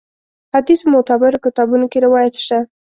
حدیث معتبرو کتابونو کې روایت شته.